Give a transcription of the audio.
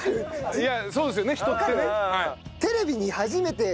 いやそうですよね人ってね。